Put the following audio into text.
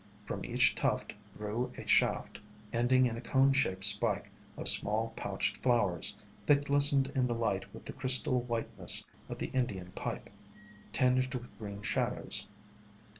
From each tuft grew a shaft ending in a cone shaped spike of small, pouched flowers, that glistened in the light with the crystal white ness of the Indian Pipe, tinged with green shadows.